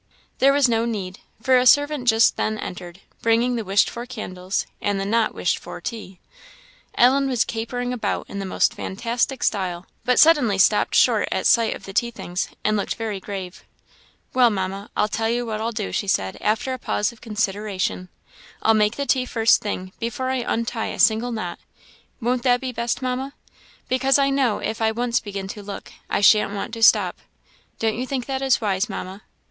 There was no need, for a servant just then entered, bringing the wished for candles, and the not wished for tea. Ellen was capering about in the most fantastic style, but suddenly stopped short at sight of the tea things, and looked very grave. "Well, Mamma, I'll tell you what I'll do," she said, after a pause of consideration; "I'll make the tea the first thing, before I untie a single knot; won't that be best, Mamma? Because I know if I once begin to look, I shan't want to stop. Don't you think that is wise, Mamma?